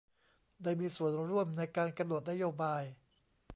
ได้มีส่วนร่วมในการกำหนดนโยบาย